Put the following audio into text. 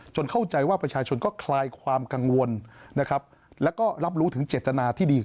เข้าใจว่าประชาชนก็คลายความกังวลนะครับแล้วก็รับรู้ถึงเจตนาที่ดี